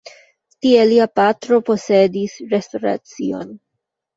Tie lia patro posedis restoracion.